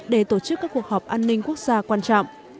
để tổ chức các cuộc họp an ninh quốc gia quan trọng